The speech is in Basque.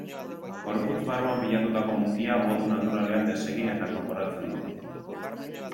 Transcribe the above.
Gorputz barruan pilatutako mukia modu naturalean desegin eta kanporatzen du.